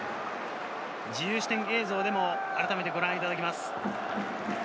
自由視点映像でもご覧いただきます。